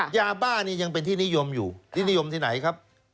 ยาบ้านี่ยังเป็นที่นิยมอยู่ที่นิยมที่ไหนครับ